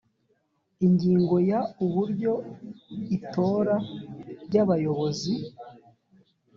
ingingo ya…: uburyo itora ry’abayobozi